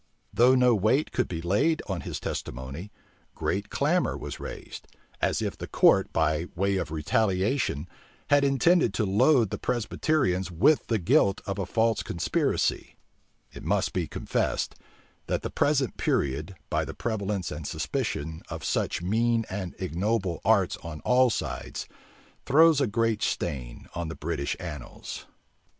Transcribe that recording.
Though no weight could be laid on his testimony, great clamor was raised; as if the court, by way of retaliation, had intended to load the Presbyterians with the guilt of a false conspiracy It must be confessed, that the present period, by the prevalence and suspicion of such mean and ignoble arts on all sides, throws a great stain on the British annals.